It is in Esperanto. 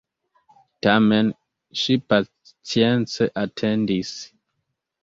Tamen ŝi pacience atendis.